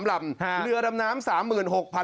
๓ลำเรือดำน้ำ